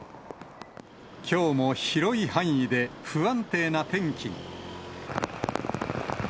きょうも広い範囲で不安定な天気に。